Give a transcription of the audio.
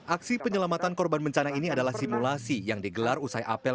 aksi penyelamatan korban bencana ini adalah simulasi yang digelar usai apel